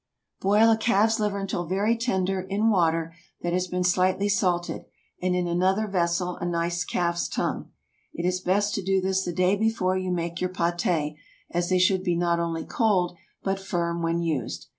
✠ Boil a calf's liver until very tender in water that has been slightly salted, and in another vessel a nice calf's tongue. It is best to do this the day before you make your pâté, as they should be not only cold, but firm when used.